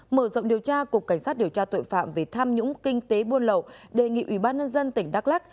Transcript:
mở rộng điều tra cục cảnh sát điều tra tội phạm về tham nhũng kinh tế buôn lậu đề nghị ubnd tỉnh đắk lắc